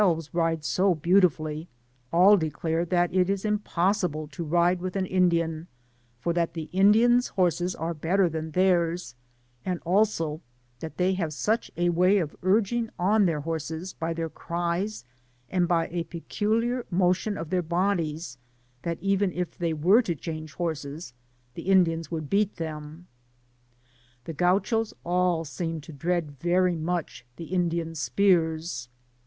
Digitized byGoogk THE PAMPAS INDIANS, 117 ride so beautifully, declare that it is impossible to ride with an Indian, for that the Indians^ horses are better than theirs, and also that they have such a way of urging them on by their cries, and by a peculiar motion of their bodies, that even if they were to change horses, the Indians would beat them. The Gauchos all seemed to dread very much the Indians^ spears.